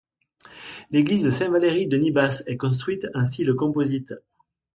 L’église Saint-Valéry de Nibas est construite en style composite.